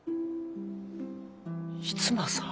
逸馬さん？